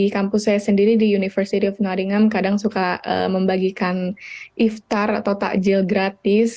kampusnya sendiri di university of nottingham kadang suka membagikan iftar atau takjil gratis